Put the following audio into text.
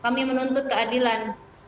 kami menuntut keadilan